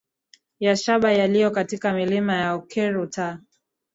ya shaba yaliyo katika milima ya Oquirrh Utah